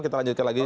kita lanjutkan lagi